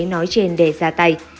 nói trên để ra tay